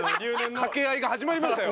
掛け合いが始まりましたよ。